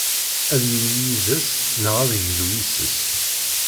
Ad yili yid-s, neɣ ad yeglu yis-s.